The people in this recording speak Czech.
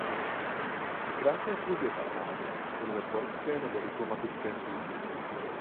Po krátké službě v armádě byl ve dvorské nebo diplomatické službě.